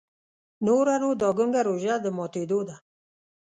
نوره نو دا ګونګه روژه د ماتېدو ده.